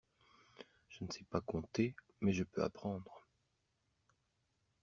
Je ne sais pas compter, mais je veux apprendre.